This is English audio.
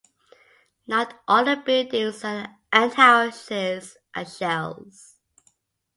Not all the buildings and houses are shells.